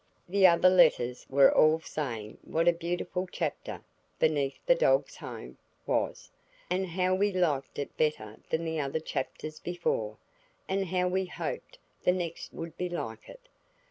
The other letters were all saying what a beautiful chapter "Beneath the Doge's Home" was, and how we liked it better than the other chapters before, and how we hoped the next would be like it.